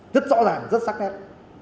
rất rõ ràng rất xác nét